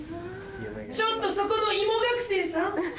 ・ちょっとそこの芋学生さん！